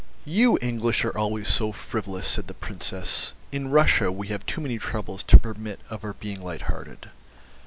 "You English are always so frivolous," said the Princess. "In Russia we have too many troubles to permit of our being light hearted."